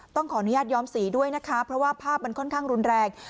ต้องขออนุญาตย้อมสีด้วยนะคะเพราะว่าภาพมันค่อนข้างรุนแรง